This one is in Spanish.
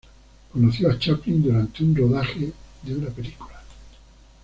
Conoció a Chaplin durante un rodaje de una película.